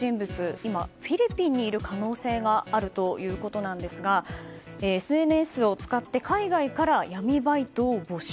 今、フィリピンにいる可能性があるということなんですがＳＮＳを使って海外から闇バイトを募集。